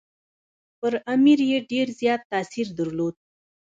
پر امیر یې ډېر زیات تاثیر درلود.